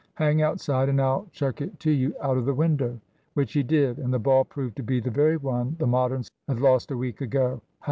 Hang outside and I'll chuck it to you out of the window." Which he did. And the ball proved to be the very one the Moderns had lost a week ago!